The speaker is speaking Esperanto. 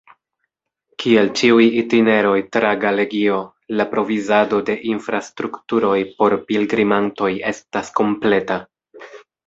Kiel ĉiuj itineroj tra Galegio, la provizado de infrastrukturoj por pilgrimantoj estas kompleta.